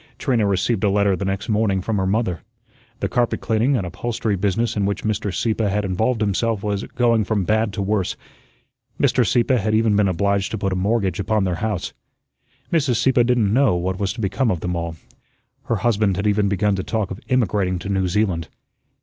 Trina received a letter the next morning from her mother. The carpet cleaning and upholstery business in which Mr. Sieppe had involved himself was going from bad to worse. Mr. Sieppe had even been obliged to put a mortgage upon their house. Mrs. Sieppe didn't know what was to become of them all. Her husband had even begun to talk of emigrating to New Zealand.